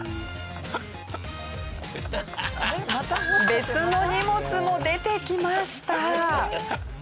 別の荷物も出てきました。